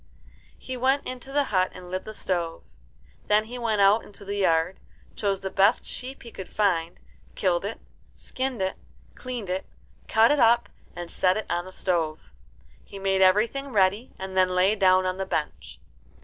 He went into the hut and lit the stove. Then he went out into the yard, chose the best sheep he could find, killed it, skinned it, cleaned it, cut it up, and set it on the stove. He made everything ready, and then lay down on the bench.